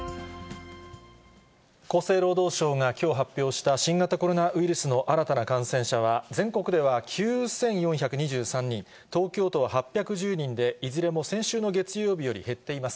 厚生労働省がきょう発表した、新型コロナウイルスの新たな感染者は、全国では９４２３人、東京都は８１０人で、いずれも先週の月曜日より減っています。